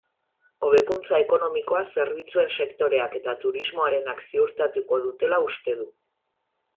Hobekuntza ekonomikoa zerbitzuen sektoreak eta turismoarenak ziurtatuko dutela uste du.